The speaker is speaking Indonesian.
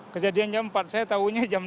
kejadian jam empat saya taunya jam enam